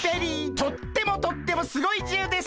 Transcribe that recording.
とってもとってもすごいじゅうです！